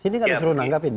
sini kan disuruh nanggapin